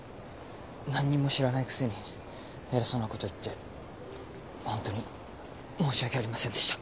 何にも知らないくせに偉そうなこと言ってホントに申し訳ありませんでした。